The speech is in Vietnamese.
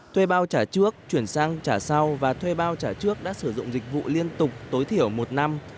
thuê bao trả trước chuyển sang trả sau và thuê bao trả trước đã sử dụng dịch vụ liên tục tối thiểu một năm